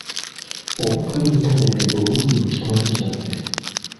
Obutali butebenkevu bungi mu kitundu kyaffe.